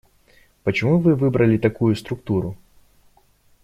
Почему вы выбрали такую структуру?